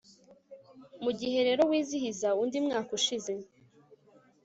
mugihe rero wizihiza undi mwaka ushize